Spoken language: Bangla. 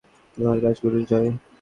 মহারাজ গুরুর জয়!